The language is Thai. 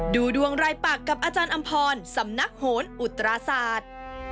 ดูดวงรายปากกับอาจารย์อำพรสำนักโหนอุตราศาสตร์